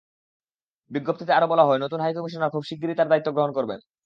বিজ্ঞপ্তিতে আরও বলা হয়, নতুন হাইকমিশনার খুব শিগগিরই তাঁর দায়িত্ব গ্রহণ করবেন।